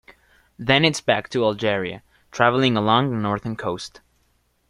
Then it's back to Algeria, travelling along the northern coast.